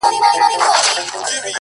په اخبار; په مجله; په راډيو کي;